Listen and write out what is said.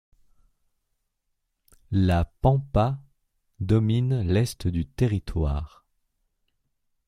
La pampa domine l'est du territoire.